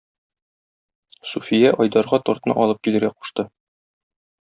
Суфия Айдарга тортны алып килергә кушты.